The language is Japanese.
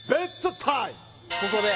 ・ここで？